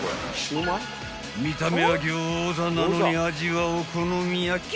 ［見た目はギョーザなのに味はお好み焼き！？］